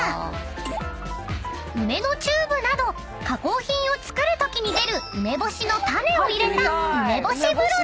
［梅のチューブなど加工品を作るときに出る梅干しの種を入れた］